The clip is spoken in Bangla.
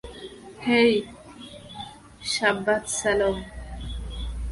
হেই, সাব্বাত স্যালম!